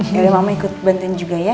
dari mama ikut bantuin juga ya